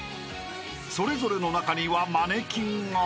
［それぞれの中にはマネキンが］